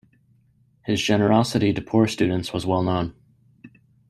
His generosity to poor students was well known.